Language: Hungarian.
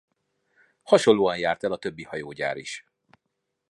Hasonlóan járt el a többi hajógyár is.